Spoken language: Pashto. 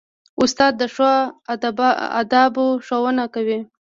استاد د ښو آدابو ښوونه کوي.